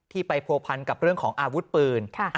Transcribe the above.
ไปผัวพันกับเรื่องของอาวุธปืน